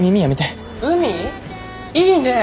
いいね！